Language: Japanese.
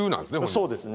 そうですね。